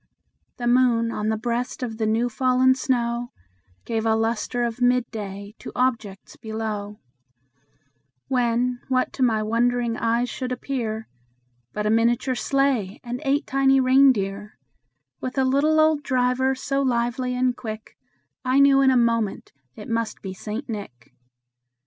The moon, on the breast of the new fallen snow, Gave a lustre of mid day to objects below; When, what to my wondering eyes should appear, But a miniature sleigh, and eight tiny rein deer, With a little old driver, so lively and quick, I knew in a moment it must be St. Nick.